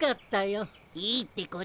いいってことよ。